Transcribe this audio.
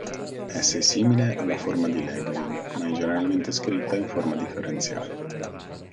Essa è simile alla forma di Langevin, ma è generalmente scritta in forma differenziale.